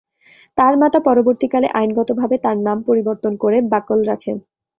তার মাতা পরবর্তীকালে আইনগতভাবে তার নাম পরিবর্তন করে বাকল রাখেন।